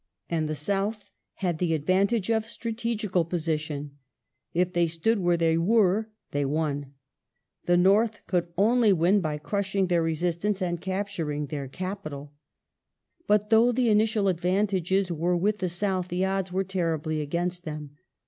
And the South had the advantage of strategical position ; if they stood where they were, they won : the North could win only by crushing their resistance and captur ing their capital. But though the initial advantages were with the South, the odds were terribly against them.